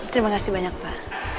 terima kasih banyak pak